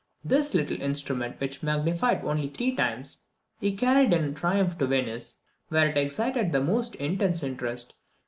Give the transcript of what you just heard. This little instrument, which magnified only three times, he carried in triumph to Venice, where it excited the most intense interest.